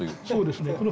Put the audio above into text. そうですね。